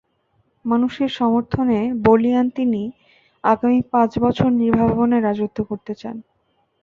মানুষের সমর্থনে বলীয়ান তিনি আগামী পাঁচ বছর নির্ভাবনায় রাজত্ব করতে চান।